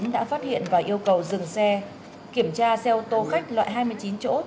đã phát hiện và yêu cầu dừng xe kiểm tra xe ô tô khách loại hai mươi chín chỗ